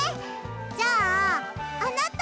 じゃああなた！